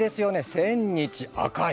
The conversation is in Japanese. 千日紅い。